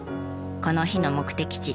この日の目的地